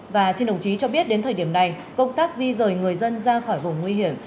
và xin đồng chí cho biết đến thời điểm này công tác di rời người dân ra khỏi vùng nguy hiểm